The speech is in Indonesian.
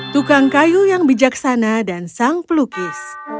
tukang kayu yang bijaksana dan sang pelukis